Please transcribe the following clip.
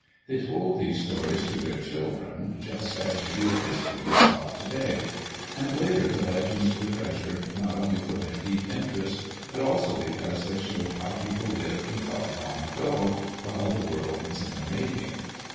They told these stories to their children, just as real history is taught to day; and later the legends were treasured not only for their deep interest but also because they showed how people lived and thought, long ago "while the world was in the making."